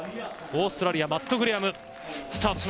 オーストラリアマット・グレアム。